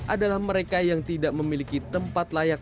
adalah mereka yang tidak memiliki tempat layak